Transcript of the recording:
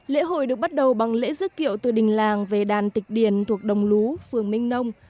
lễ hội được bắt đầu bằng lễ dứt kiệu từ đình làng về đàn tịch điền thuộc đồng lú phường minh nông